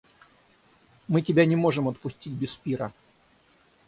Мы тебя не можем отпустить без пира.